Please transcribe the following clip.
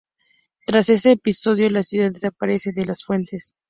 Tras este episodio la ciudad desaparece de las fuentes.